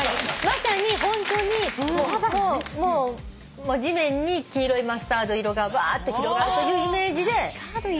まさにホントに地面に黄色いマスタード色がばーっと広がるというイメージで。